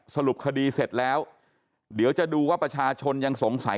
สรุปคดีเสร็จแล้วเดี๋ยวจะดูว่าประชาชนยังสงสัย